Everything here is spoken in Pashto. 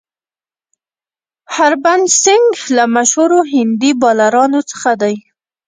هربهن سنګ له مشهورو هندي بالرانو څخه دئ.